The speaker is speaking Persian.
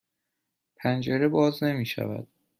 پنجره باز نمی شود.